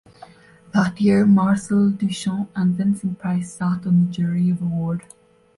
That year, Marcel Duchamp and Vincent Price sat on the jury of award.